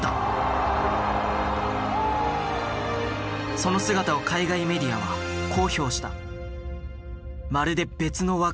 その姿を海外メディアはこう評した。